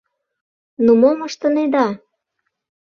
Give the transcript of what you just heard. — Ну, мом ыштынеда?